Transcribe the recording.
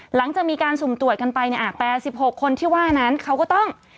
หลังจากมีการสุ่มตรวจกันไปเนี่ย๘๖คนที่ว่านั้นเขาก็ต้อง